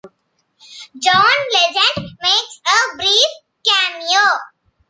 John Legend makes a brief cameo.